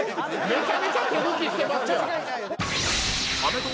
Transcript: めちゃめちゃ手抜きしてますやん！